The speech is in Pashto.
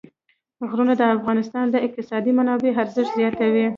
غرونه د افغانستان د اقتصادي منابعو ارزښت زیاتوي.